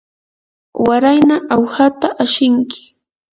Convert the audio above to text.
warayna awhata ashinki.